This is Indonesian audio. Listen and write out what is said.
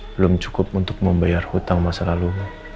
belum cukup untuk membayar hutang masa lalu